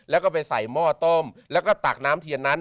แล้วก็ไปใส่หม้อต้มแล้วก็ตักน้ำเทียนนั้น